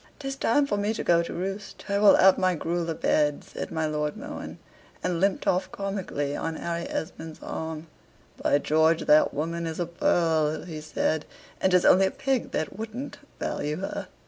"'Tis time for me to go to roost. I will have my gruel a bed," said my Lord Mohun: and limped off comically on Harry Esmond's arm. "By George, that woman is a pearl!" he said; "and 'tis only a pig that wouldn't value her.